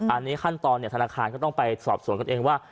อันนี้ขั้นตอนธนาคารก็ต้องไปสอบสวนกันเองว่า